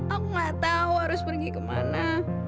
aku nggak tahu harus pergi kemana